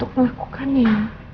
apa kamu semua maksud hastikannya